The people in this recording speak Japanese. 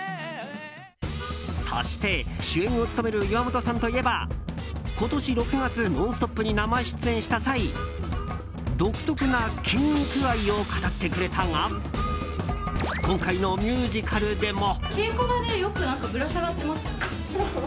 そして主演を務める岩本さんといえば今年６月、「ノンストップ！」に生出演した際独特な筋肉愛を語ってくれたが今回のミュージカルでも。